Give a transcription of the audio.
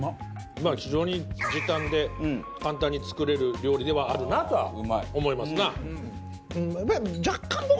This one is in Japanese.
まあ非常に時短で簡単に作れる料理ではあるなとは思いますな。